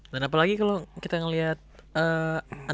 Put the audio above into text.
dan apalagi kalau kita ngelihat anak anak sekarang juga banyak yang boros ya kan